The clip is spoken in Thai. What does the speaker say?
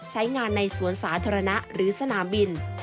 ใช้งานในสวนสาธารณะหรือสนามบิน